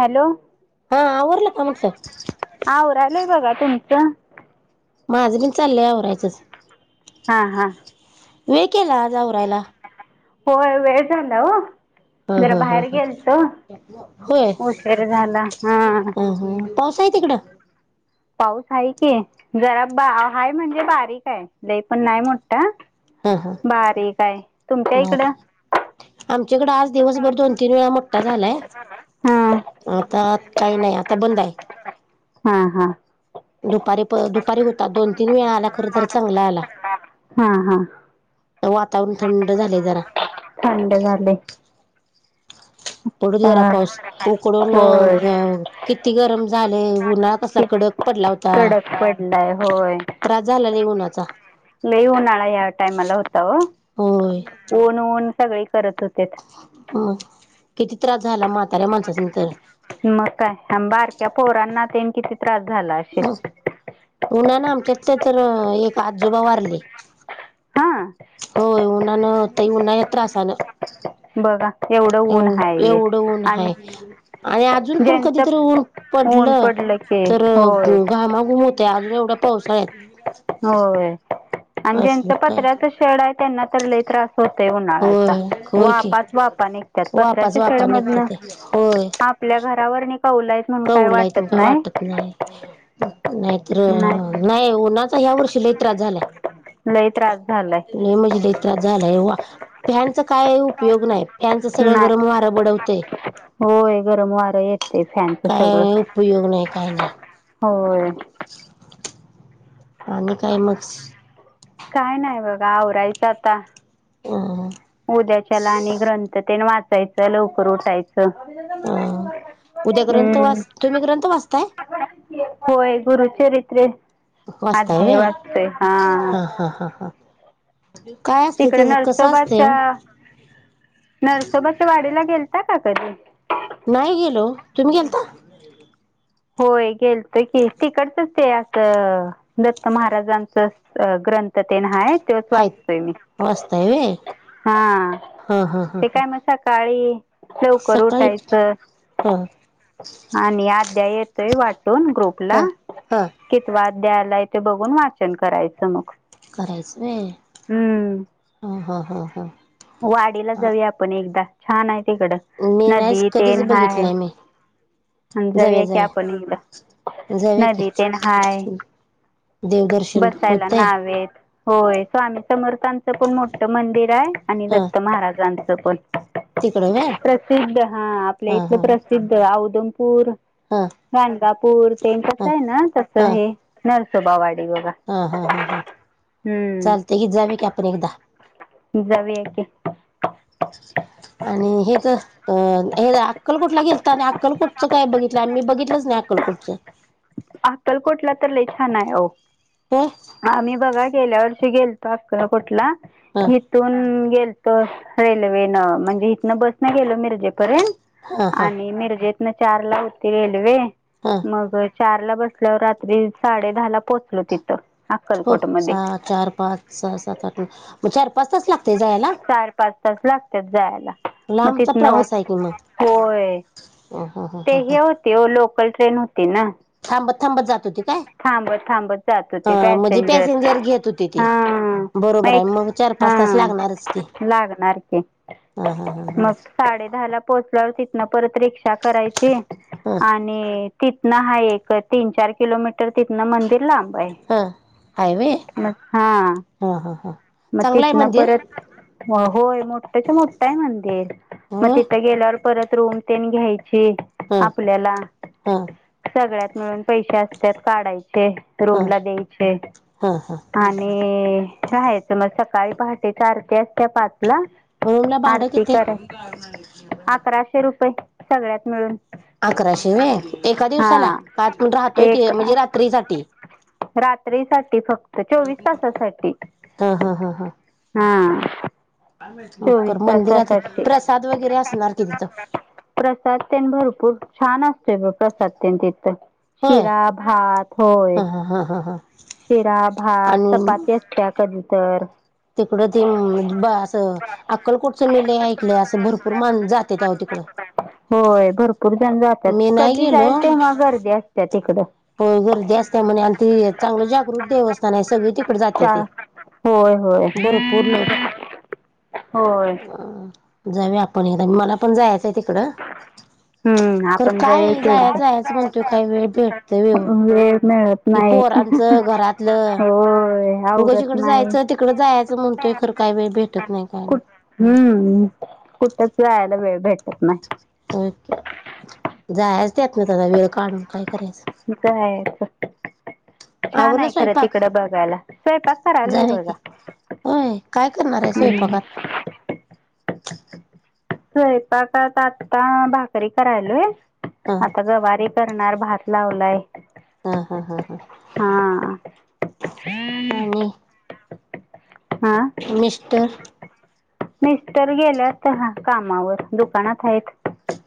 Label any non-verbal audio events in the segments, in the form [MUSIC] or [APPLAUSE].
Hello हा आवरलं का म्हटलं आवरालोय बघा तुमचं माझं पण चाललंय आवरायच हां हां वेळ केला आज आवरायला होय वेळ झाला हो. हा जरा हा हा बाहेर हा. गेलतो होय उशीर झाला ह. हा पाऊस आहे तिकडं? पाऊस हाय की जरा बा हाय म्हणजे बारीक आहे लई पण नाही मोठा. हा हा बारीक आहे, तुमच्या बर इकडं? आमच्याकडं आज दिवसभर दोन तीन वेळा मोठ्ठा झालाय. हा आता काय नाही आता बंद हाय. हा हा. दुपारी प दुपारी होता दोन तीन वेळा आला खर तर चांगला आला. हा हा वातावरण थंड झालय जरा. थंड झालय. पडूदे जरा हा पाऊस उकडून होय घ किती गरम झालंय उन्हाळा कसला कडक पडला होता कडक पडलाय होय त्रास झाला नाही उन्हाचा. लई उन्हाळा या टायमाला होता ओ होय ऊन ऊन सगळे करत होते. मग किती त्रास झाला म्हाताऱ्या माणसासनी तरं. मग काय बारक्या पोरांना तेन किती त्रास झाला अशील. उन्हान आमच्यातल तर एक आजोबा वारले. हा. हो उन्हानं होत उन्हाच्या त्रासान. बघा एवढं ऊन एव हाय एवढं ऊन आणि आहे आणि अजून पण कधीतरी ज्यांचं ऊन ऊन पडलं की तर होय घामाघूम होत अजून एवढ्या पावसाळ्यात. होय आणि ज्यांच असल काय पत्र्याच शेड हाय त्यांना तर लय त्रास होतय उन्हाळ्याचा. होय होय की वाफाच वाफा निघतात वापाच पतऱ्याच्या वापा निघते शेडमधन ते आपल्या घरावरनीं कौल आहेत कौल आहेत मगं काय वाटत नाही. नाहीतर नाही उन्हाचा ह्या वर्षी लय त्रास झालाय. लय त्रास झालाय. लय म्हणजे लय त्रास झालाय वा फॅनचा काय उपयोग नाही. फॅनचं सगळं गरम वारं नाही बडवतय होय गरम वारं येत येतय फॅनच सगळं काय उपयोग नाही काय नाही होय. [INAUDIBLE] आणि काय मग? काय नाही बघा आवरायचं आता. हम्म हम्म. उद्याच्याला आणि ग्रंथ तेन वाचायचं लवकर उठायचं. अ उद्या ग्रंथ हम्म वाच तुम्ही ग्रंथ वाचताय? होय गुरुचरित्र अध्याय वाचतोय हा. हां हां हां. तिकड असते नरसोबाच्या ओ नरसोबाच्या वाडीला गेलता का कधी? नाही गेलो ओ तुम्ही गेलता? होय गेलतो की तिकडचच ते असं दत्त महाराजांच ग्रंथ तेन हायत तोयचं वाचतोय मी हायत वाचताय व्हय हा हा हा हा ते हा काय मगं स काळी लवकर सकाळी उठायचं हा आणि अध्याय येतोय वाटून ग्रुपला हा हा कितवा अध्याय आलाय ते बघून वाचन करायचं मग. करायचं व्हय हम्म. हा हा हा हा. वाडीला जाऊया आपण एकदा, छान आहे तिकडं, मी नाहीच नदी कधीच तेन हाय. बघितलंय मी अन् जाऊया की आपण एकदा जाऊया की नदी तेन हाय. देवदर्शन पण बसायला होतंय नावेत. होय स्वामी समर्थांचं पण मोठं मंदिर आय आणि हा दत्त महाराजांच पण. तिकडं व्हय प्रसिद्ध हा आपल्या हा इथलं प्रसिद्ध ओदौमपूर हां. गांगापूर तेें कस हाय ना तसं हे नरसोबावाडी बघा. हा हा हा हा हम्म चालतंय की जावया की आपण एकदा. जावया की. आणि हेच अ हे अक्कोटला गेलता आणि अक्लकोटचं काय बघितलं आम्ही बघितलंच नाय अक्कलकोटचं. अक्कलकोटला तर लय छान आय आवो. हो. आम्ही बघा गेल्या वर्षी गेलतो अक्कलकोटला हां हितून गेल रेल्वेन म्हणजे इथनं बसन गेल मिर्जेपर्यंत हां हां आणि मिर्जेत चार ला होती रेल्वे हां. मग चार ला बसल्यावर रात्री साडे दहा ला पोहोचल तिथं. हो अक्कलकोटमध्ये सहा, चार, पाच, सहा, सात, आठ मग चार पाच तास लागतय जायाला? चार पाच तास लागत्यात जायाला मग लांबचा तिथन ऊ होय. हम् हम् हम्. ते हे होते ओ लोकल ट्रेन होती ना. थांबत थांबत जात होती काय? थांबत थांबत जात अ होती म्हणजे पॅसेंजर घेत हुती ती हां बरोबर आय एक मग चार पाच तास हां लागणारच की लागणार की ह ह ह ह. मग साडे दहाला पोहोचल्यावर तिथनं परत रिक्षा करायची. हा आणि ति थन हाय एक तीन, चार किलोमीटर तिथंन मंदिर लांब आय हा हाय व्हय म हा. हा हा हां. म तिथन परत म होय. मोठ च्या मोठं आय मंदिर म होय तिथं गेल्यावर परत रूम तेन घ्यायची. हा आपल्याला हा सगळ्यात मिळून पैशे असत्यात काढायचे. हा रूम ला द्यायचे हा हा आणि राहा तर म सकाळी पहाटे ची आरती अस्तिया पाच ला. रूमला भाडं आरती किती कराय अकराशे रुपये सगळ्यात मिळून. अकराशे वे एका दिवसाला हा का आतून राहतोय ते म्हणजे रात्री साठी? रात्री साठी फक्त चोवीस तासासाठी. हा हा हा हा. हा. चोवीस कर मंदिरात तासासाठी प्रसाद वगैरे असणार कि तिथं? प्रसाद तेन भरपूर छान असतोय प्रसाद तेन तिथं होय शिरा, भात होय हा हा हा हा हा. शिरा, भात, आणि चपाती असत्या कधी तर. तिकडं ते ब असं अक्कलकोटचं मी लय ऐकलंय असं भरपूर मान जात्याती आव तिकडं. होय भरपूर जण जात्यात. मी नाही कधी जायल तेव्हा गर्दी अस त्या तिकडं. हो गर्दी असत्या म्हणे आणि ते चांगल जागृत देवस्थान आहे सगळी तिक कड चा जात्याती, होय होय भरपूर लोक होय अ जाऊ आपण याला मला पण जायाच आहे तिकड. हम्म खरं आपण जर काय, एक जायाच जायाच म्हणतोय एकदा काय वेळ भेटतोय व्हय ओ. वेळ मिळत ही नाही, पोरांचं घरातलं हो उगच इकड जायच, तिकड जायाच म्हणतोय खर काय वेळ भेटत नाही काय नाय. कुठ हम्म, कुठच जायाला वेळ भेटत नाय. होय की, जायाच त्यातनच आता वेळ काढून काय करायचं. मग काय [INAUDIBLE] छान आवरला आहे खरं स्वयंपाक? तिकड बघायला, स्वयंपाक करालोय जाऊया की बघा. होय, काय करणार आहे हम्म. स्वयंपाकात? स्वयंपाकात आता भाकरी करायलोय. हा आता गवारी करणार, भात लावलाय. हा हा हा हा. हा आणि हा मिस्टर मिस्टर गेल्यात हा कामावर दुकानात हायेत.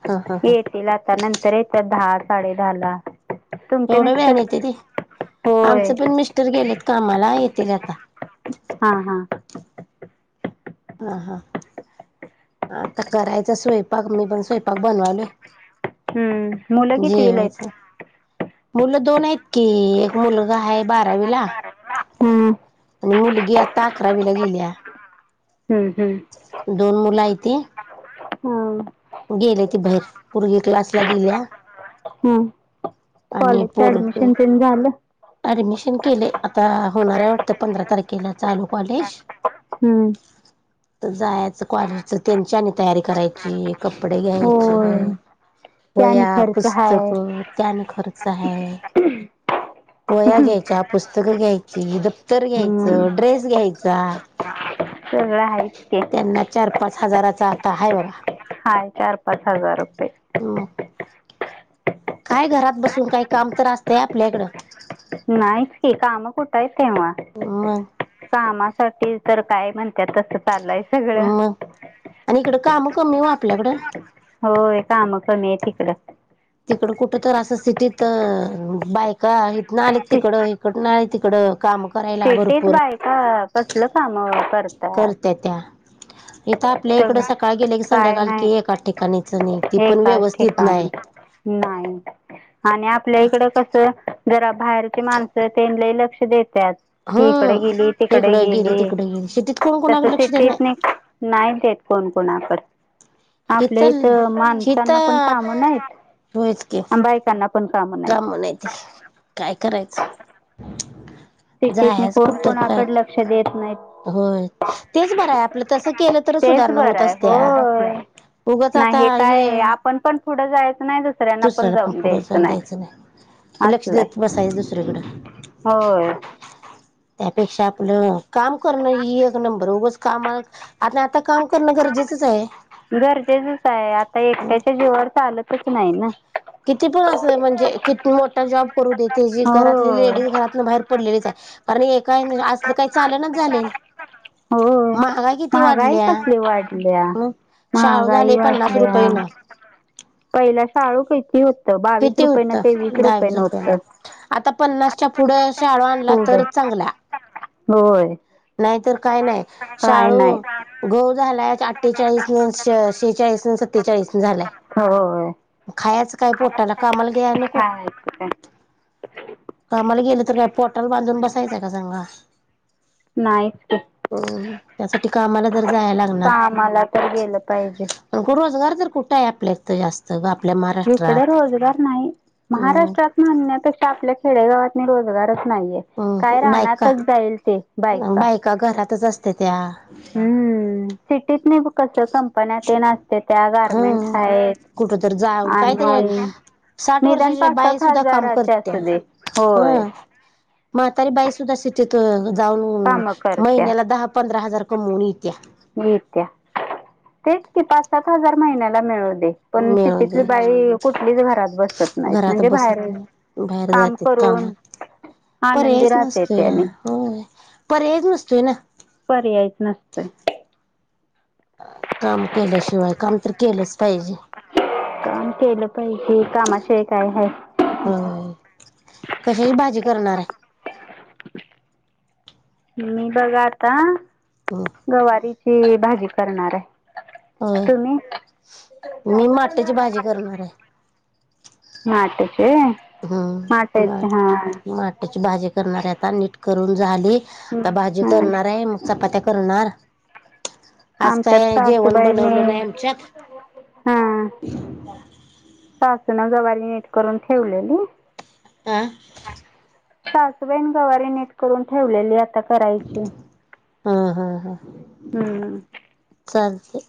हा हा हा. तीला आता नंतर येत्यात दहा साडे दहा ला. एवढया वेळाने येत्याती, होय आमचं पण मिस्टर गेलेत कामाला येतील आता. हा हा. हा हा, आता करायचा स्वयंपाक मी पण स्वयंपाक बनवालोय. हम्म मुलं कितवीला आहेत जेवायचा, मुलं दोन हायत. की, एक मुलगा हाय बारावीला हम्म आणि मुलगी आता अकरावीला गिल्या. हम्म हम्म. दोन मुलं हायती. हाव गेलेती बाहेर, पोरगी क्लासला गिल्या. हम्म, कॉलेजच पोर ऍडमिशन तेन झालं? ऍडमिशन केलय, आता होणार आहे वाटतं पंधरा तारखेला चालू कॉलेज. हम्म आता जायाच कॉलेजच त्यांची आणि तयारी करायची, कपडे घ्यायची. होय [INAUDIBLE] ते आणि वह्या, खर्च हाय पुस्तकं ते आणि खर्च हाय. व्ह्या हम्म घायच्या, पुस्तकं घ्यायची, दप्तर घ्यायच, ड्रेस घ्यायचा. सगळं आहेच की. त्यांना चार-पाच हजाराचा आता आहे बघा. हाय, चार पाच हजार रुपये. म काय घरात बसून काय काम तर असतंय आपल्याकडं. नाहीच की. काम कुठं आहेत तेव्हा? मग कामासाठी तर काय म्हणतात तसं चाललय. अं. आणि इकडं काम कमीए ओ आपल्याकडं. होय. काम कमी ए तिकड. तिकड कुठ तर असं सिटीत बायका आहेत ना? आणिक तिकड- नाही तिकडं काम. करायला भरपूर [UNINTELLIGIBLE] का कसलं कामावर? करत्या त्या. इथ आप- -पल्या सग इकड सकाळ गेले की काय संध्याकाल नाही कि एका ठिकाणीच नि ती पण एकाच व्यवस्थित नाही. ठिकाणी नाही. आणि आपल्या इकड कस जरा बाहेरची माणसं त्यांलाही लक्ष देत्यात. हा तू इकडे कडे गेली. तिकडे इकडं गेली. तिकडे शेतीत कोण तस कोणाकडे लक्ष देत सिटीत नाही- नाही देत कोण कोणाकडं. आपल्या हिथल इथ हित माणसांना पण काम नाहीत. होयच की आन बायकांना - [UNINTELLIGIBLE] ते काय करायचं? सिटीत जायचं कोण कुठ तर काय कोणाकड लक्ष देत नाहीत. होय. तेच बरंय. आपलं तसं केलं तर तेच सुधारणा बरं होत आहे असत्या. होय उगाच नाही आता काय हे आहे, आपण पण पुढं जायचं नाही दुसऱ्यांना दुसऱ्याला पण जाऊन पुढे जाऊन द्यायचं नाही. लक्ष असलं देत आहे बसायचं दुसरीकड. होय. त्यापेक्षा आपलं काम करणं ही एक नंबर उगच कामा- आणि आता काम करणं गरजेचंच आहे. गरजेचच आहे. आता एकट्याच्या जीवावर चालतच नाही ना? किती पण अस म्हणजे किती मोठा जॉब करू दे ते जी घरातली हो लेडीज राह - कुणावर पडलेलेच आहे. कारण ए का [UNINTELLIGIBLE] असलं काही चाल ना झालय. हो. महागाई किती महागाई वाढल्या कसली वाढलिया. हं हां. शाळू झाले [UNINTELLIGIBLE] पन्नास वाटले रुपयेनं पहिला शाळू किती होतं? बावीस किती रुपये नि होतं तेवीस दहा रुपये वीस न रुपयानं होतं. आता पन्नासच्या पुढं शाळू आणला फूड तरच चांगला. होय नाहीतर काय नाही. काय नाही शाळू- गहू झालाअठ्ठेचाळीस न शेहेचाळीस न सत्तेचाळीस न झाला. होय खायाचं काय खायचं पोटाला? कामाल [UNINTELLIGIBLE] नको? काय कामाला गेलं तर काय पोटाला बांधून बसायचं का सांगा. नाहीच की. हो. म त्यासाठी कामाला जर जाया लागणार. कामाला तर गेलं पाहिजे अग, रोजगार तर कुठं आहे आपल्यात जास्त ग? आपल्या इकडे महाराष्ट्रात. रोजगार नाही. हम्म महाराष्ट्रात म्हणण्यापेक्षा आपल्या खेडेगावात रोजगारच नाहीये. काय हम्म बायका रानातच जाईल ते. बायका घरातच असतेत्या. हम्म. सि्टीत नाही- कस कंपन्यातेन असतेत्या. गारमेंट हम्म. आहेत कुठ तर जाऊन काय तर आणि- साठ निदान वर्षाची पाच बाई सात सुद्धा काम हजाराची करत्या असू दे. होय. हं. म्हातारी बाई सुद्धा सिटीत जाऊन काम करत्या महिन्याला दहा पंधरा हजार कमवून येतिया. मिळत्या. तेच की पाच सात हजार महिन्याला मिळू दे. पण मिळू सिटीतली दे बाई कुठलीच घरात बसत नाही. म्हणजे बाहेर काम- खूप करून कामात आनंदी पर्यायच राहते नसतोया त्याने होय, पर्यायच नसतोय ना. पर्यायच नसतंय. काम केल्याशिवाय काम तर केलंच पाहिजे. काम केलं पाहिजे, कामाशिवाय काय हाय. होय कशाची भाजी करणार आहे? मी बघा आता, हो... गवारीची भाजी करणार आहे. होय तुम्ही मी माटची भाजी करणार हाय. माटची व्हयं. हा माठ, माट. त्याची भाजी करणार आहे आता, नीट करून झाली, आता भाजी हं. करणार आहे, मग चपात्या करणार. आज आमच्यात काय जेवण सासुबाईनी. बनवलं नाही आमच्यात हां. सासूूनं गवारी नीट करून ठेवलेली, आं... सासूबाईनं गवारी नीट करून ठेवलेली, आता करायची. हा. हा. हा. हूं.... चालतंय.......